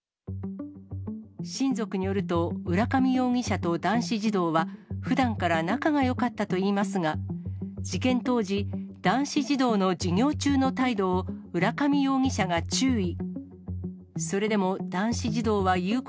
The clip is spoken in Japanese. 親族によると、浦上容疑者と男子児童は、ふだんから仲がよかったといいますが、事件当時、男子児童の授業中の態度を、浦上容疑者が注意。